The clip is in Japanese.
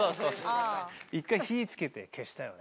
１回火つけて消したよね。